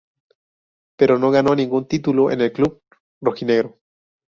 Pero no ganó ningún título en el club "rojinegro".